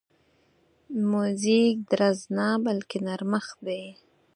موزیک درز نه، بلکې نرمښت دی.